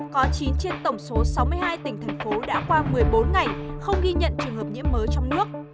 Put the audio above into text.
có chín trên tổng số sáu mươi hai tỉnh thành phố đã qua một mươi bốn ngày không ghi nhận trường hợp nhiễm mới trong nước